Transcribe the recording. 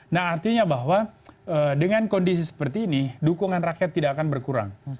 nah artinya bahwa dengan kondisi seperti ini dukungan rakyat tidak akan berkurang